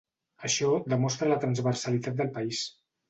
Això demostra la transversalitat del país.